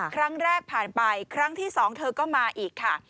ครั้งแรกผ่านไปครั้งที่๒เธอก็มาอีกค่ะ